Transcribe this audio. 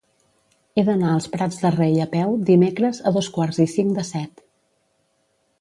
He d'anar als Prats de Rei a peu dimecres a dos quarts i cinc de set.